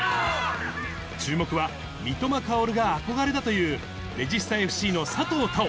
注目は三笘薫が憧れだという、レジスタＦＣの佐藤泰旺。